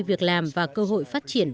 việc làm và cơ hội phát triển